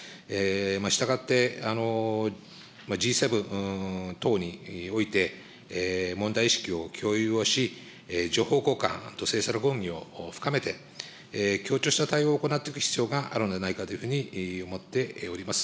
したがって、Ｇ７等において、問題意識を共有をし、情報交換と政策論議を深めて、協調した対応を行っていく必要があるのではないかというふうに思っております。